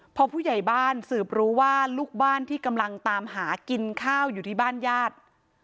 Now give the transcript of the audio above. พอผู้ใหญ่บ้านสืบรู้ว่าลูกบ้านที่กำลังตามหากินข้าวอยู่ที่บ้านญาติ